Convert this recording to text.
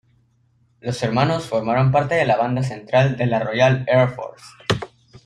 Los hermanos formaron parte de la banda central de la Royal Air Force.